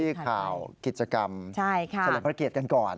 เริ่มที่ข่าวกิจกรรมเฉลยพระเกตกันก่อน